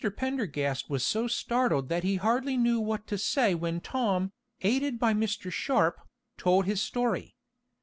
Pendergast was so startled that he hardly knew what to say when Tom, aided by Mr. Sharp, told his story.